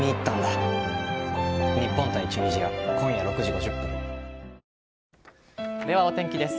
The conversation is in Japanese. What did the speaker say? ２１ではお天気です。